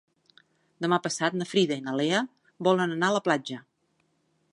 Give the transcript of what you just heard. Demà passat na Frida i na Lea volen anar a la platja.